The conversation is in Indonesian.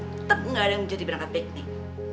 tetep gak ada yang jadi berangkat piknik